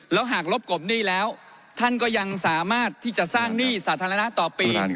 แล้วหากลบกบหนี้แล้วท่านก็ยังสามารถที่จะสร้างหนี้สาธารณะต่อปี